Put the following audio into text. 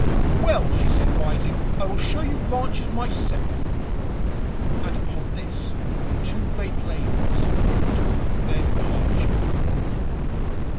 "Well," she said, rising, "I will show you Branches myself." And upon this the two great ladies took their departure.